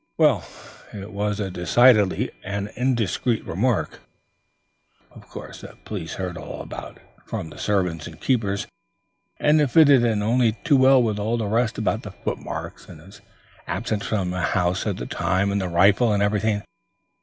"Well, it was decidedly an indiscreet remark." "It was imbecile. And of course the police heard all about it from the servants and keepers, and it fitted in only too well with all the rest about the footmarks and his absence from the house at the time, and the rifle and everything.